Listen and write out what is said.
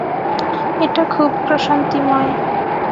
এটা খুব প্রশান্তিময়।